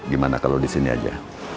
gimana kalau disini aja